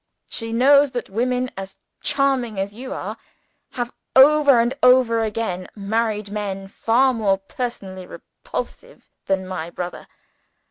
She knows that women as charming as you are, have over and over again married men far more personally repulsive than my brother.